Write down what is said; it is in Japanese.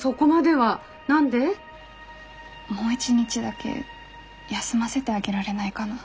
もう一日だけ休ませてあげられないかな。